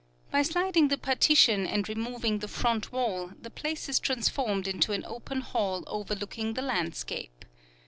By sliding the partition and removing the front wall the place is transformed into an open hall overlooking the landscape.